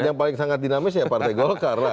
yang paling sangat dinamis ya partai golkar lah